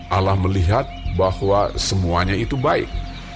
allah melihat bahwa semuanya itu baik